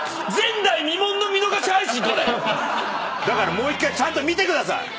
もう１回ちゃんと見てください。